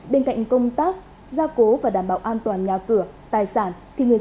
bên cạnh công tác gia cố và đảm bảo an toàn nhà cửa tài sản